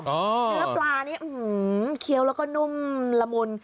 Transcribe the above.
เนื้อปลานี้เคี้ยวแล้วก็นุ่มละมุน